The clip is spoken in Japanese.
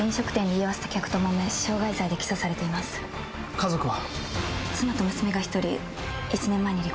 家族は？